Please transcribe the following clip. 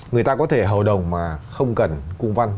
người ta có thể hầu đồng mà không cần cung văn